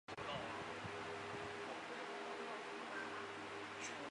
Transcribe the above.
访问非默认手册页区段的语法在不同的软件实现中是不一样的。